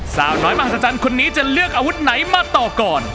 สาวน้อยมหัศจรรย์คนนี้จะเลือกอาวุธไหนมาต่อก่อน